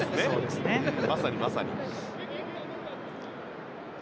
まさに、まさに。